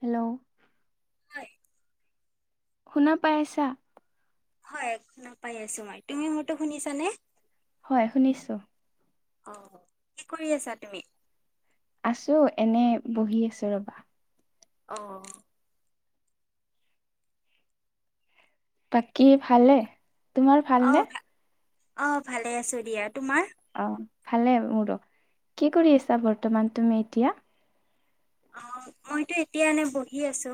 Hello [unintelligible] শুনা পাই আছা? হয়, একদম পাই আছো মই। তুমি মোৰটো শুনিছা নে? হয় শুনিছো। অ, কি কৰি আছা তুমি? আছো, এনে বহি আছো ৰবা। অহ বাকী ভালে তোমাৰ অ ভালনে ভা অ ভালে আছো দিয়া তোমাৰ অ ভালে মোৰো কি কৰি আছা বৰ্তমান তুমি এতিয়া অ মইতো এতিয়া এনে বহি আছো।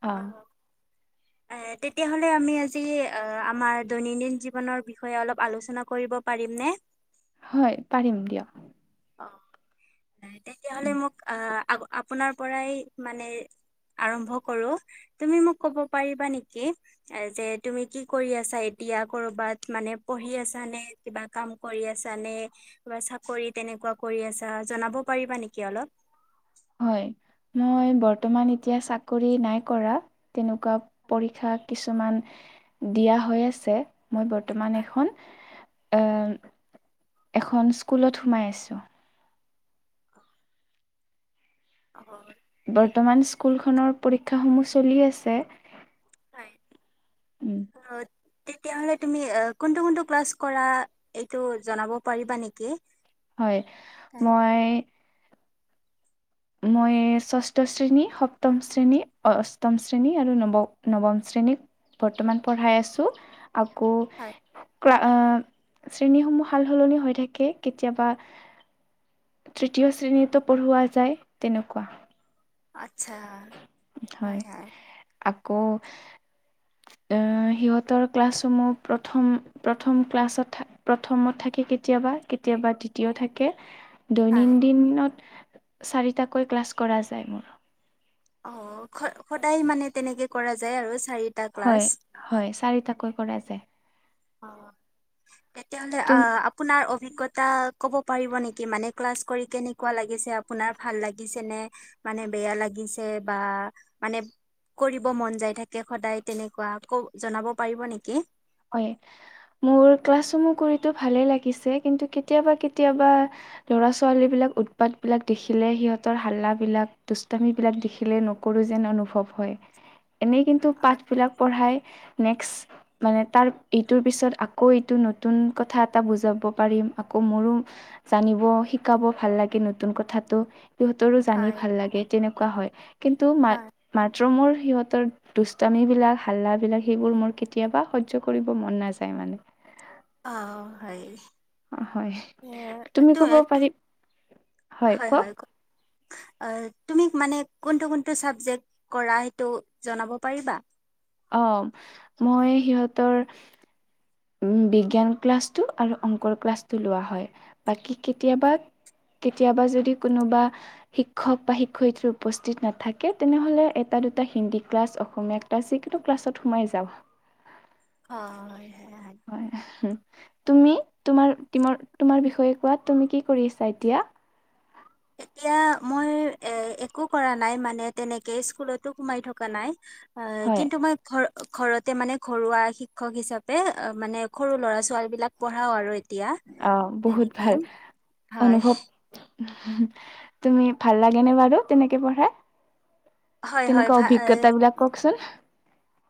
অ এ তেতিয়াহ'লে আমি আজি আমাৰ দৈনন্দিন জীৱনৰ বিষয়ে অলপ আলোচনা কৰিব পাৰিম নে? হয় পাৰিম দিয়া তেতিয়াহলে মোক আহ আপোনাৰ পৰাই মানে আৰম্ভ কৰো তুমি মোক কব পাৰিবা নেকি যে তুমি কি কৰি আছা দয়া কৰবাত মানে পঢ়ি আছ নে কিবা কাম কৰি আছ নে কিবা চাকৰিত কেনেকুৱা কৰি আছা জনাব পাৰিবা নেকি অলপ? হয়। মই বৰ্তমান এতিয়া চাকৰি নাই কৰা, তেনেকুৱা পৰীক্ষা কিছুমান, দিয়া হৈ আছে মই বৰ্তমান এখন এখন স্কুলত সোমাই আছোঁ বৰ্তমান স্কুলখনৰ পৰীক্ষা সমূহ চলি আছে। [inaudible] উম, তেতিয়াহলে তুমি কোনটো কোনটো ক্লাছ কৰা এইটো জনাব পাৰিবা নেকি হয় হয় মই মই ষষ্ঠ শ্ৰেণী, সপ্তম শ্ৰেণী, অষ্টম শ্ৰেণী আৰু নৱ নৱম শ্ৰেণী। বৰ্তমান পঢ়াই আছো হয় আকৌ আহ শ্ৰেণীসমূহ সাল সলনি হৈ থাকে কেতিয়াবা। তৃতীয় শ্ৰেণীতো পঢ়োৱা যায় তেনেকুৱা আচ্ছা হয় আকৌ আহ সিহঁতৰ ক্লাছসমূহ প্ৰথম প্ৰথম ক্লাছত থ প্ৰথমত থাকি [unintelligible] কেতিয়াবা কেতিয়াবা দিতিও থাকে। [unintelligible] হয় দৈনন্দন্দিনত চাৰিটাকৈ ক্লাছ কৰা যায় মোৰ। অ সদায় মানে তেনেকে কৰা যায় আৰু চাৰিটা ক্লাছ হয় হয়, চাৰিটাকৈ কৰা যাই। অ তেতিয়াহলে তুম আহ আপোনাৰ অভিজ্ঞতা ক'ব পাৰিব নেকি মানে ক্লাছ কৰি কেনেকুৱা লাগিছে আপোনাৰ ভাল লাগিছে নে মানে বেয়া লাগি বা মানে কৰিব মন যায় থাকে সদায় তেনেকুৱা ক জনাব পাৰিব নেকি [inaudible] মোৰ ক্লাছ সমূহ কৰিতো ভালে লাগিছে কিন্তু কেতিয়াবা কেতিয়াবা ল'ৰা ছোৱালী বিলাক [unintelligible] উৎপাত বিলাক দেখিলে সিহঁতৰ হাল্লাবলাক দুষ্টামী বিলাক দেখিলে নকৰো যেন অনুভৱ হয়। এনেই কিন্তু হয় পাঠবিলাক পঢ়াই নেক্স, মানে তাৰ ইটোৰ পিছত আকৌ এইটো নতুন কথা এটা বুজাব পাৰিম আকৌ মোৰো, জানিব, শিকাব ভাল লাগে নতুন কথাটো। সিহঁতৰো জানি হয় ভাল লাগে তেনেকুৱা হয় কিন্তু মা হয় মাত ত মোৰ সিহঁতৰ দুষ্টামিবিলাক হাল্লাবিলাক সেইবোৰ মোৰ কেতিয়াবা সহ্য কৰিব মন নাযায় মানে আহ হয় অ হয় এ তুমি তো কব তো- পাৰি, হয় কওক। অহ তুমি মানে কোনটো কোনটো চাবজেক্ট কৰা সেইটো জনাব পাৰিবা? অ মই সিহঁতৰ বিজ্ঞান ক্লাছটো আৰু অংকৰ ক্লাছটো লোৱা হয় বাকী কেতিয়াবা কেতিয়াবা যদি কোনোবা শিক্ষক বা শিক্ষয়িত্ৰী উপস্থিত নাথাকে তেনেহলে এটা,। দুটা হিন্দী ক্লাছ অসমীয়া ক্লাছ যিকোনো ক্লাছত সোমাই যাওঁ। অ হে। হয় তুমি তোমাৰ তোমাৰ বিষয়ে কোৱা তুমি কি কৰি আছা এতিয়া। [unintelligible] [unintelligible] এতিয়া মই এ একো কৰা নাই মানে তেনেকে স্কুলতো সোমাই থকা নাই। অ হয় কিন্তু মই ঘৰৰ। ঘৰতে মানে ঘৰুৱা শিক্ষক হিচাপে অ মানে সৰু ল'ৰা ছোৱালী বিলাক পঢ়াও আৰু। এতিয়া অ বহুত তেনেকে ভাল হয় অনুভৱ। তুমি ভাল লাগে নে বাৰু তেনেকে পঢ়া। হয় হয় তেনেকুৱা ভা অভিজ্ঞতা বিলাক কওকচোন?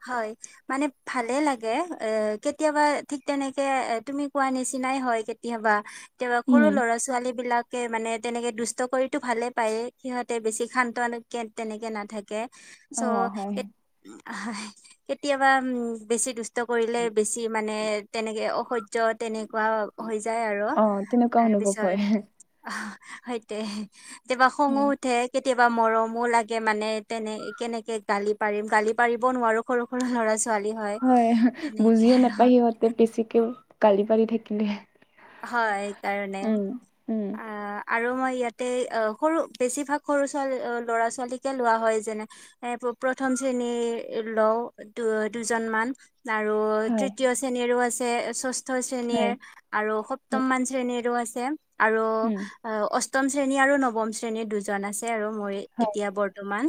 হয় মানে ভালে লাগে অ কেতিয়াবা ঠিক তেনেকে তুমি কোৱা নিচিনা,। নাই হয় কেতিয়াবা, কেতিয়াবা সৰু উম ল'ৰা ছোৱালী বিলাকে মানে,। তেনেকে দুষ্ট কৰিতো ভালে পায়, সিহঁতে বেছি শান্তন তেনেকে নাথাকে। চ অ হয় কেতিয়াবা বেছি দুস্ত। কৰিলে বেছি মানে তেনেকে অসহ্য তেনেকুৱা হৈ যায় আৰু। এনেকুৱা অনুভৱ হয়। আহ সেইটোৱে কেতিয়াবা খঙো উম উঠে কেতি। কেতিয়াবা মৰমো লাগে মানে তেনে কেনেকে গালি পাৰিম গালি পাৰিব নোৱাৰো। সৰু সৰু ল'ৰা। হয়, তেনেকে বুজিও আৰু নাপায়িহঁতে বেছিকে গালি পাৰি থাকিলেহ। হয়, সকাৰণে উম আ। আৰু মই ইয়াতে আহ সৰু বেছিভাগ সৰু ছালী ল'ৰা ছোৱালীকে লোৱা হয় যেনে এ। প্ৰথম শ্ৰেণী লওঁ দুজনমান। আৰু হয় তৃতীয় শ্ৰেণীৰো আছে ষষ্ঠ হয় শ্ৰেণীৰ। আৰু উম সপ্তমমান শ্ৰেণীৰো আছে আৰু উম অস্ত। টম শ্ৰেণী আৰু নৱম শ্ৰেণীৰ দুজন আছে আৰু। মই হয় এতিয়া বৰ্তমান,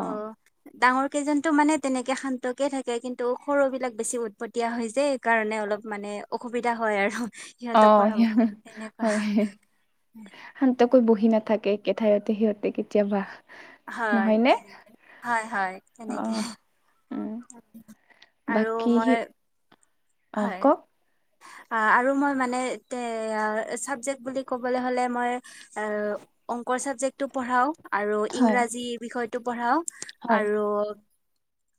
অ। ডাঙৰ কেইজনো মানে তেনেকে শান্তকে থাকে কিন্তু সৰু বিলাক বেছি উৎপটীয়া হৈ যায় এইকাৰণে অলপ। মানে অসুবিধা হয় আৰ। অ স হয় শান্তকৈ বহি নাথাকে। থাইৰতে সিহঁতে কেতিয়াবা। হয় নহয়নে হয় হয় অ তেনেকে। উম আৰু বাকী সি মই, অ হয়। কওক আঁহ, আৰু মই মানে এ চাবজেক্ট বুলি ক'বলৈ হলে মই। এ অংকৰ চাবজেক্টটো পঢ়াও আৰু হয় ইংৰাজী বিষয়টো পঢ়াও হয় আৰু। আৰু।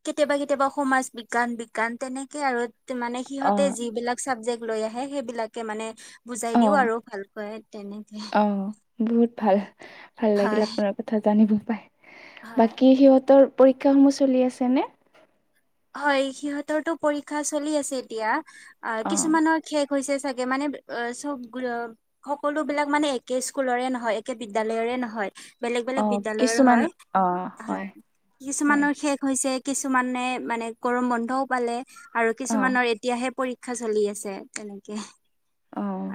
কেতিয়াবা কেতিয়াবা সমাজ বিজ্ঞান বিজ্ঞান তেনেকে আৰু মানে অ সিহঁতে যিবিলাক চাবজেক্ট। লৈ আহে সেইবিলাকে মানে বুজাই অ দিও আৰু ভালকৈ তেনেকে। অ বহুত ভাল, ভাল লাগিল হয় আপোনাৰ কথা জানিব পাই হয় বাকী সিহঁতৰ,। পৰীক্ষাসমূহ চলি আছেনে? হয় সিহঁতৰো পৰীক্ষা চলি আছে এতিয়া, অ কিছুমানৰ খে। হৈছে চাগে মানে অ চব সকলো বিলাক মানে একে স্কুলৰে নহয় একে বিদ্যালয়ৰে নহয়। বেলেগ বেলেগ অ' বিদ্য়ালয়ৰ কিছুমান হয় অ' হয় হয়, কিছুমানৰ শেষ হৈছে। কিছুমানে মানে গৰম বন্ধও পালে আৰু অ', কিছুমানৰ এতিয়াহে। পৰীক্ষা চলি আছে তেনেকে। অ',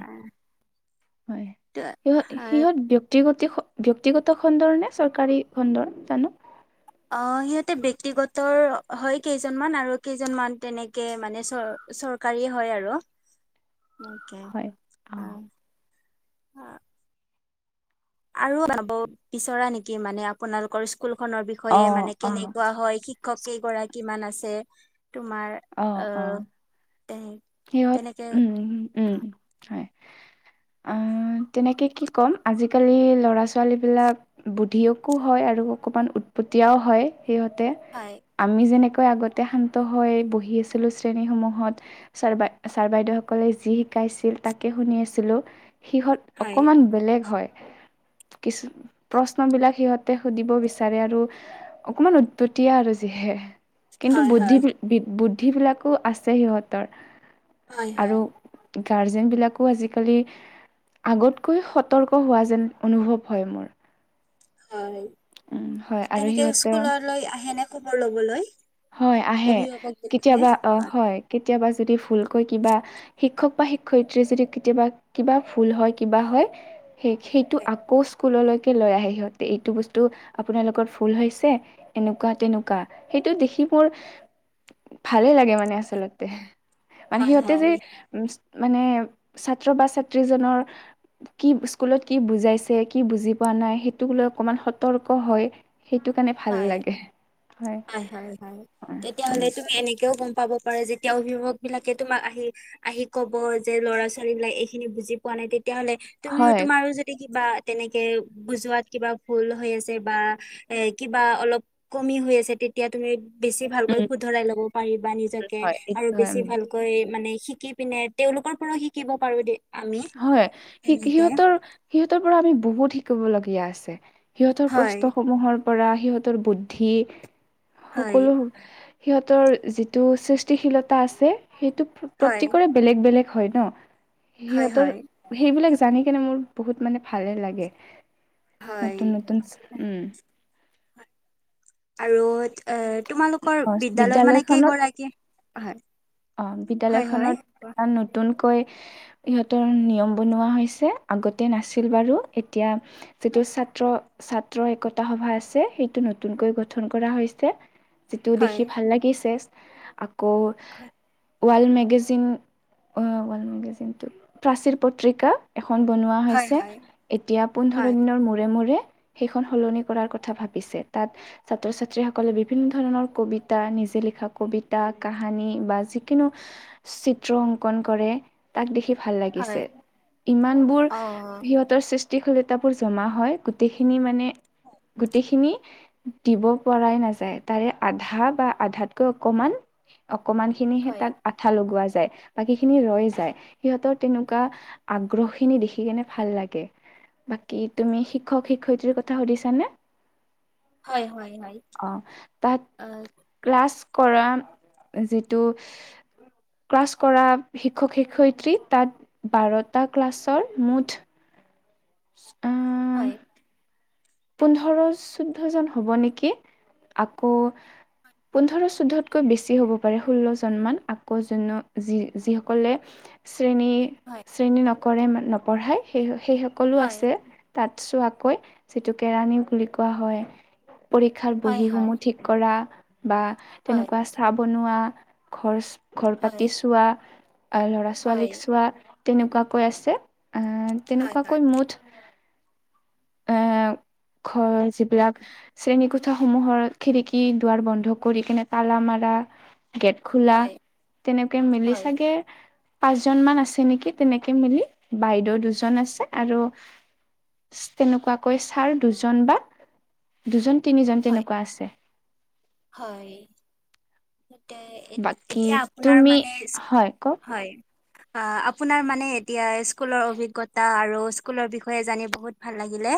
হয় সিহঁত সিহঁত ব্যয়ক্তিগত। ব্যক্তিগত খণ্ডৰ নে চৰকাৰী খণ্ডৰ জানো। অ সিহঁতে বক্তিগত হয় কেইজনমান আৰু কেইজনমান তেনেকে মানে চ। চৰকাৰী হয় আৰু [unintelligible] অকে অ আৰু যাব বিচৰা নেকি মানে আপোনালোকৰ স্কুল খনৰ বিষয়ে অ', মানে অ', কেনেকোৱা হয় শিক্ষকেইগৰাকীমান আছে তোমাৰ অ অ আহ তে সিহত তেনেকে উম উম হয়। আঁহ তেনেকে কি ক'ম আজিকালি ল'ৰা ছোৱালীবিলাক বুদ্ধিয়কো হয় আৰু অকণমান উৎ পতিয়াও হয় সিহঁতে হয়। আমি যেনেকৈ আগতে শান্ত হৈ বহি আছিলো শ্ৰেণীসমূহত ছাৰ বাই ছাৰ বাইদেউ সকলে যি শিকাইছিল তাকে শুনি আছিলো। সিহঁত হয় অকমান বেলেগ হয়। কিছু প্ৰশ্ন বিলাক সিহঁতে সুধিব বিচাৰে আৰু অকমান উৎপতীয়া আৰু যিহে কিন্তু হয় বুদ্ধি হয় বুদ্ধিবিলাকো আছে সিহঁতৰ। হয় আৰু হয় গাৰ্জেনবিলাকো আজিকালি, আগতকৈ সতৰ্ক হোৱা যেন অনুভৱ হয় মোৰ হয় উম হয় আৰু তেনেকে সিহঁতে স্কুললৈ আহে নে খবৰ লবলৈ হয় আহে অভিভাৱক বিলাকে কেতিয়াবা অ হয়। কেতিয়াবা যদি ভুলকৈ কিবা শিক্ষক বা শিক্ষয়ত্ৰি যদি কেতিয়াবা কিবা ভুল হয়, কিবা হয়। সেইটো আকৌ স্কুললৈকে লৈ আহে সিহঁতে এইটো বস্তু আপোনালোকৰ ভুল হৈছে। এনেকুৱা তেনেকুৱা সেইটো দেখি বোৰ, ভালে লাগে মানে আচলতে মানে হয় সিহঁতে যে হয় উম মানে ছাত্ৰ বা ছাত্ৰীজনৰ, কি স্কুলত কি বুজাইছে কি বুজি পোৱা। নাই সেইটোক লৈ অকণমান সতৰ্ক হয় সেইটো কাৰণে ভাল হয় লাগে হয়। তেতিয়াহলে উম তুমি এনেকেও গম পাব পাৰে যেতিয়া অভিভাৱক বিলাকে তোমাক আহি আহি কব যে ল'ৰা ছোৱালী বিলাক এইখিনি বুজি পোৱা নাই দেই। তেতিয়াহ'লে তুমিও হয় তোমাৰো যদি কিবা তেনেকে বুজোৱাত কিবা ভুল হৈ আছে বা এ কিবা অলপ কমি হৈ আছে তেতিয়া তুমি বেছি ভালকৈ উম শুধৰাই লব পাৰিবা। নিজকে হয় এক- আৰু উম, বেছি ভালকৈ মানে শিকি পিনে তেওঁলোকৰ পৰাও শিকিব পাৰো দে। আমি হয় তেনেকে সিহঁতৰ সিহঁতৰ পৰা আমি বহুত শিকিবলগীয়া আছে। সিহঁতৰ হয় প্ৰশ্নসমূহৰ পৰা সিহঁতৰ বুদ্ধি হয় সকলো। সিহঁতৰ যিটো সৃষ্টিশীলতা আছে, সেইটো হয় প্ৰত্যেকৰে বেলেগ বেলেগ। হয় ন, হয় সিহঁতৰ হয় সেইবিলাক জানি কেনে মোৰ বহুত মানে ভালে লাগে। হয় নতুন নতুন, উম। আৰু এ তোমালোকৰ অ বিদ্যালয়ত মানে বিদ্যালয়খনত কেইগৰাকী হয়? অ বিদ্যালয় হয় হয় খনত আ নতুনকৈ ইহঁতৰ নিয়ম বনোৱা হৈছে আগতে নাছিল বাৰু এতিয়া। যিটো হয় ছাত্ৰ ছাত্ৰ একতা সভা আছে, সেইটো নতুনকৈ গঠন কৰা হৈছে। যিটো দেখি হয় ভাল লাগিছে, আকৌ ৱাৰ্ল্ড মেগাজিন ৱাৰ্ল্ড মেগাজিনটো প্ৰাচীৰ পত্ৰিকা। খন বনোৱা হৈছে হয় এতিয়া পোন্ধৰ হয় দিনৰ মূৰে মূৰে। সেইখন সলনি কৰাৰ কথা ভাবিছে তাত ছাত্ৰ ছাত্ৰী সকলে বিভিন্ন ধৰণৰ কবিতা নিজ যে লিখা কবিতা কাহানী বা চিত্ৰ অংকন কৰে তাক দেখি ভাল লাগিছে। হয় ইমানবোৰ অ সিহঁতৰ চেছ [unintelligible] জমা হয়, গোটেইখিনি মানে গোটেইখিনি দিব পৰাই নাযায় তাৰে আধা বা আধাতকৈ অকমান। অকমানখিনিহে হয় তাক আঠা লগোৱা যা বাকীখিনি ৰৈ যায়। সিহঁতৰ তেনেকুৱা আগ্ৰহখিনি দেখি কেনে ভাল লাগে। বাকী তুমি শিক্ষক-শিক্ষয়িত্ৰীৰ কথা সুধিছানে? হয় হয় হয় অ'। তাত অ ক্লাছ কৰা যি টো ক্লাছ কৰা শিক্ষক-শিক্ষয়িত্ৰী তাত বাৰটা ক্লাছৰ মুঠ অ' হয়। পোন্ধৰ-চৈধ্যজন হব নেকি? আকৌ পোন্ধৰ-চৌধ্যতকৈ বেছি হ'ব পাৰে। ষোল্লজনমান। আকৌ জোন- যি- যিসকলে শ্ৰেণী- হয় শ্ৰেণী নকৰে- নপঢ়ায় সেই- সেই হয় সকলো হয় আছে। তাত চোৱাকৈ, যিটো কেৰাণীও বুলি কোৱা হয়। পৰীক্ষাৰ হয় হয় বহীসমূহ ঠিক কৰা বা হয় তেনেকুৱা চাহ বনোৱা, ঘৰ চ ঘৰ হয় পাতি চোৱা, অ'- ল'ৰা হয় ছোৱালীক চোৱা, তেনেকুৱাকৈ আছে। অ' তেনেকুৱাকৈ মুঠ অ' ঘৰ যিবিলাক শ্ৰেণীকোঠাসমূহৰ খিৰিকী-দুৱাৰ বন্ধ কৰি কেনে তালা মাৰ ৰা, গেট খোলা, হয় তেনেকে মিলি হয় চাগে পাঁচজনমান আছে নেকি, তেনেকে মিলি? বাইদেউ দুজন আছে আৰু তেনেকুৱাকৈ ছাৰ দুজন বা দুজন-তিনিজন হয় তেনেকুৱা আছে। হয়। এতে বাকী এতিয়া আপোনাৰ তুমি মানে, ইস- হয় কওক হয় অ' আপোনাৰ মানে এতিয়া স্কুলৰ অভিজ্ঞতা আৰু স্কুলৰ বিষয়ে জানি বহুত ভাল লাগিলে।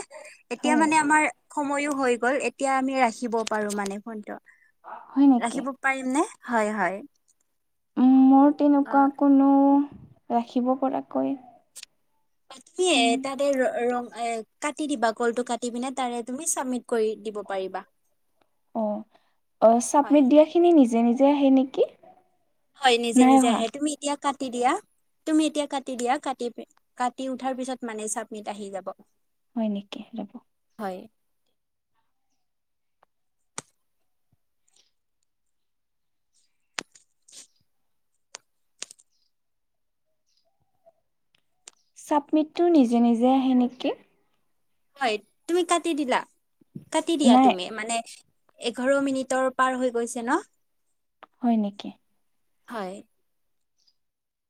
এতিয়া হয় মানে আমাৰ সময়ো হৈ গ'ল। এতিয়া আমি ৰাখিব পাৰোঁ, মানে ফোনটো। হয় নেকি ৰাখিব পাৰিম নে? হয় - হয়। মোৰ তেনেকুৱা অ', কোনো ৰাখিব পৰাকৈ বাকী এ চিন এ- তাতে ৰ- ৰং এ- কাটি দিবা, কলটো কাটি পিনে, তাৰে তুমি চাবমিট কৰি দিব পাৰিবা। অ'। অ' হয়, চাবমিট দিয়াখিনি নিজে - নিজে আহে নেকি? হয়। নিজে - নাই নিজে অহা আহে। তুমি এতিয়া কাটি দিয়া। তুমি এতিয়া কাটি দিয়া। কাটি- কাটি উঠাৰ পিছত মানে চাবমিত আহি যাব। হয় নেকি? ৰ'ব হয়। ছাবমিটটো নিজে - নিজে আহে নেকি? হয়। তুমি কাটি দিলা? কাটি দিয়া নাই তুমি। মানে এঘাৰ মিনিটৰ পাৰ হৈ গৈছে ন'? হয় নেকি? হয়।